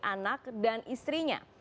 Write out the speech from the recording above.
anak dan istrinya